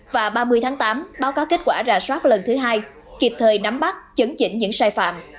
và ba mươi tháng tám báo cáo kết quả rà soát lần thứ hai kịp thời nắm bắt chấn chỉnh những sai phạm